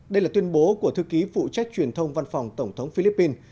đây là tuyên bố của thư ký phụ trách truyền thông văn phòng tổng thống philippines